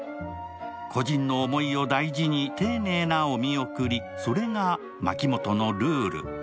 故人の思いを大事に、丁寧なお見送り、それが牧本のルール。